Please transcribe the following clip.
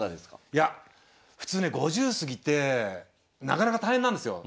いや普通ね５０過ぎてなかなか大変なんですよ。